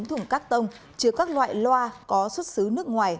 ba mươi chín thùng cắt tông chứa các loại loa có xuất xứ nước ngoài